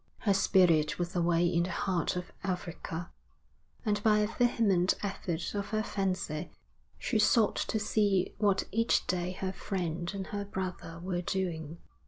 Her spirit was away in the heart of Africa, and by a vehement effort of her fancy she sought to see what each day her friend and her brother were doing.